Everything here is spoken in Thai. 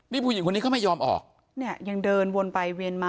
นี่ผู้หญิงคนนี้เขาไม่ยอมออกเนี่ยยังเดินวนไปเวียนมา